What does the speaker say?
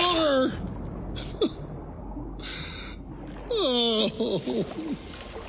ああ。